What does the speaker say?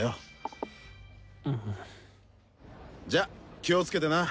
じゃ気を付けてな。